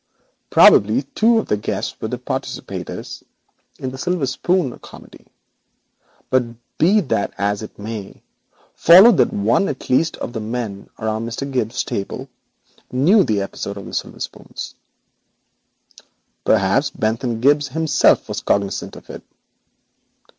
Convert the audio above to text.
Probably two of the guests were the participators in the silver spoon comedy, but, be that as it may, it followed that one at least of the men around Mr. Gibbes's table knew the episode of the silver spoons. Perhaps Bentham Gibbes himself was cognisant of it.